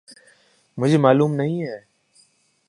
مجھے معلوم نہیں ہے۔